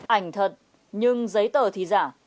ảnh thật nhưng giấy tờ thì giả